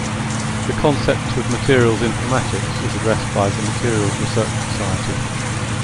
The concept of materials informatics is addressed by the "Materials Research Society".